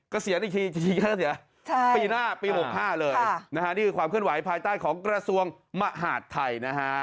เกษียณอีกที